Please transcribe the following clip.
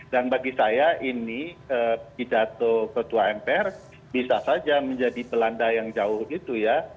dan bagi saya ini pidato ketua mpr bisa saja menjadi belanda yang jauh itu ya